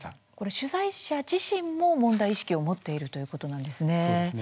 取材者自身も問題意識を持っているということなんですね。